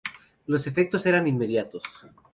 Los efectos eran inmediatos.